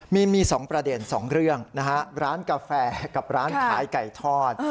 มี๒ประเด็น๒เรื่องนะฮะร้านกาแฟกับร้านขายไก่ทอด